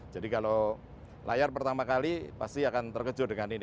jadi kalau layar pertama kali pasti akan terkejut dengan ini